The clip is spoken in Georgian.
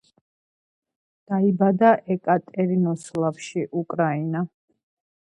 დაიბადა ეკატერინოსლავში, უკრაინა.